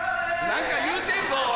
何か言うてんぞ。